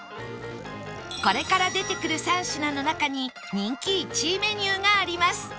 これから出てくる３品の中に人気１位メニューがあります